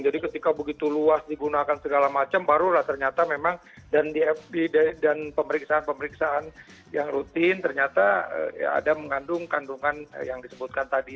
jadi ketika begitu luas digunakan segala macam barulah ternyata memang dan di fda dan pemeriksaan pemeriksaan yang rutin ternyata ada mengandung kandungan yang disebutkan tadi